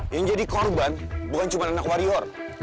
yang jadi korban bukan cuma anak warior